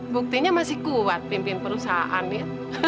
buktinya masih kuat pimpin perusahaan ya